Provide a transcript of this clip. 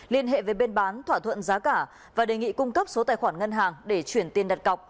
liên hệ với bên bán thỏa thuận giá cả và đề nghị cung cấp số tài khoản ngân hàng để chuyển tiền đặt cọc